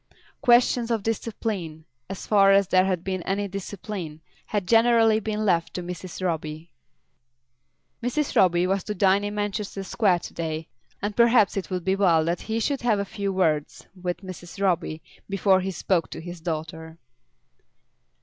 Questions of discipline, as far as there had been any discipline, had generally been left to Mrs. Roby. Mrs. Roby was to dine in Manchester Square to day, and perhaps it would be well that he should have a few words with Mrs. Roby before he spoke to his daughter.